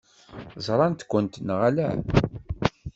Ẓṛant-ken neɣ ala?